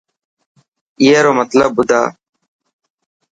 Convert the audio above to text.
اي رو مطلب ٻڌا.